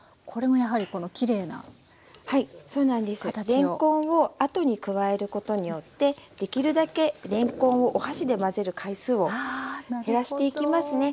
れんこんをあとに加えることによってできるだけれんこんをお箸で混ぜる回数を減らしていきますね。